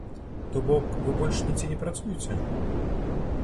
То бок, вы больш нідзе не працуеце?